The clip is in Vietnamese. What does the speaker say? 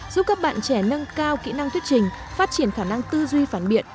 giúp các bạn trẻ nâng cao kỹ năng thuyết trình phát triển khả năng tư duy phản biện